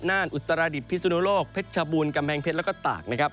น่านอุตราดิษฐ์พิสุนโลกเพชรบูรณ์กำแพงเพชรแล้วก็ตาก